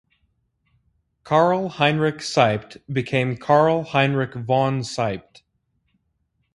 Karl Heinrich Seibt became Karl Heinrich von Seibt.